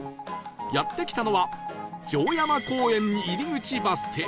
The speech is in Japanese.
やって来たのは城山公園入口バス停